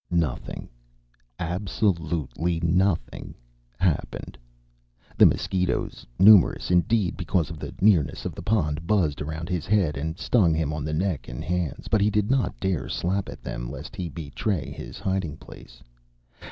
Nothing absolutely nothing happened! The mosquitoes, numerous indeed because of the nearness of the pond, buzzed around his head and stung him on the neck and hands, but he did not dare slap at them lest he betray his hiding place.